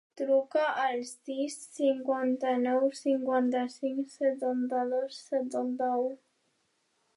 Truca al sis, cinquanta-nou, cinquanta-cinc, setanta-dos, setanta-u.